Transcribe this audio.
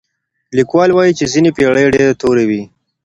ليکوال وايي چي ځينې پېړۍ ډېرې تورې وې.